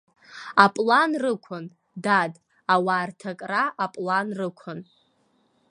Аплан рықәын, дад, ауаа рҭакра аплан рықәын.